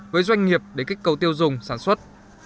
với doanh nghiệp để kích cầu tiêu dùng sản xuất